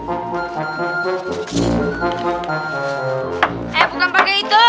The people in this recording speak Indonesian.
eh bukan pake itu